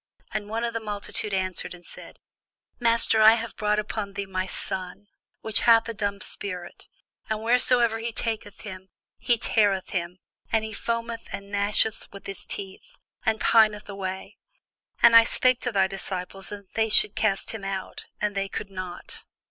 And one of the multitude answered and said, Master, I have brought unto thee my son, which hath a dumb spirit; and wheresoever he taketh him, he teareth him: and he foameth, and gnasheth with his teeth, and pineth away: and I spake to thy disciples that they should cast him out; and they could not.